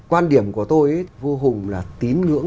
quan điểm của tôi vua hùng là tín ngưỡng